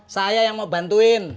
saya yang mau bantuin